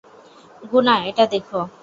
গুনা, এটা দেখো।